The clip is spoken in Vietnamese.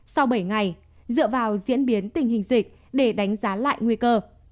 sau bảy ngày dựa vào diễn biến tình hình dịch để đánh giá lại nguy cơ